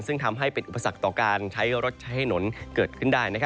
ซึ่งทำให้เป็นอุปสรรคต่อการใช้รถใช้ถนนเกิดขึ้นได้